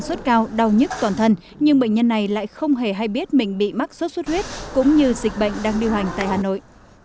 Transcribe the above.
sốt cao đau nhất toàn thân nhưng bệnh nhân này lại không hề hay biết mình bị mắc sốt xuất huyết cũng như dịch bệnh đang điều hành tại hà nội